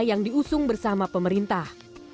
yang diusung bersama pemerintah